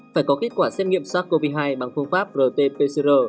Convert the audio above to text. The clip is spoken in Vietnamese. phải có kết quả xét nghiệm sars cov hai bằng phương pháp rt pcr